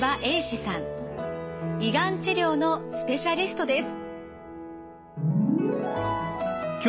胃がん治療のスペシャリストです。